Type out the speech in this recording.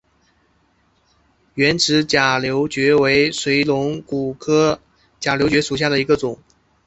圆齿假瘤蕨为水龙骨科假瘤蕨属下的一个种。